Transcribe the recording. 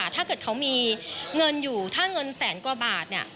ถ้าเกิดเขามีเงินอยู่ถ้าเงินแสนกว่าบาท